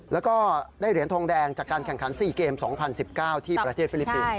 แล้วก็ได้เหรียญทองแดงจากการแข่งขัน๔เกม๒๐๑๙ที่ประเทศฟิลิปปินส์